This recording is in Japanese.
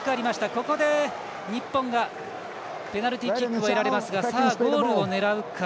ここで日本がペナルティキックを得られますがゴールを狙うか。